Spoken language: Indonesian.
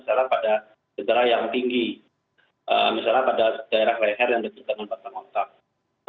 misalnya pada daerah leher yang dikenal batang otak